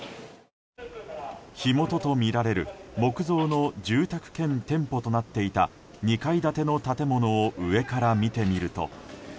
火元とみられる木造の住宅兼店舗となっていた２階建ての建物を上から見てみると。